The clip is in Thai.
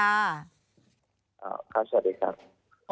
ครับสวัสดีครับ